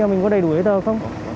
thế mình có đầy đủ hết rồi không